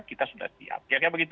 kita sudah siap